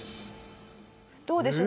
どうでしょう？